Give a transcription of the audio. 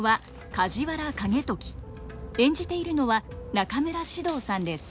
演じているのは中村獅童さんです。